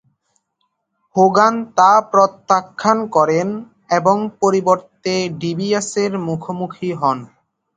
Hogan তা প্রত্যাখ্যান করেন এবং পরিবর্তে ডিবিয়াসের মুখোমুখি হন।